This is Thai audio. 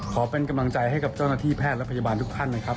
ขอเป็นกำลังใจให้กับเจ้าหน้าที่แพทย์และพยาบาลทุกท่านนะครับ